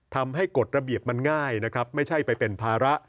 กฎระเบียบมันง่ายนะครับไม่ใช่ไปเป็นภาระ